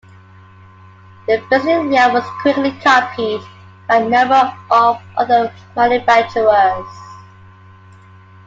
The basic layout was quickly copied by a number of other manufacturers.